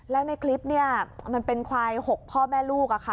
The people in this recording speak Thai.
แล้วในคลิปเนี่ยมันเป็นควาย๖พ่อแม่ลูกค่ะ